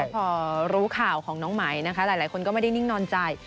พอรู้ข่าวของน้องไหมนะคะหลายคนก็ไม่ได้นิ่งนอนใจ